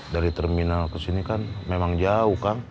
dari terminal kesini kan memang jauh kang